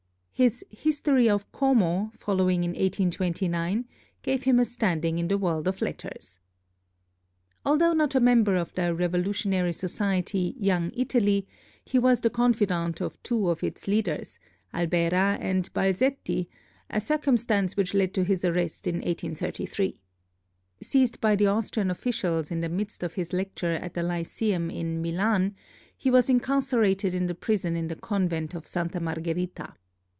His 'History of Como,' following in 1829, gave him a standing in the world of letters. Although not a member of the revolutionary society 'Young Italy,' he was the confidant of two of its leaders, Albera and Balzetti, a circumstance which led to his arrest in 1833. Seized by the Austrian officials in the midst of his lecture at the Lyceum in Milan, he was incarcerated in the prison in the Convent of Santa Margherita.